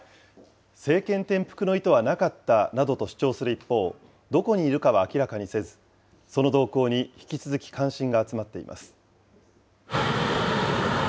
政権転覆の意図はなかったなどと主張する一方、どこにいるかは明らかにせず、その動向に引き続き関心が集まっています。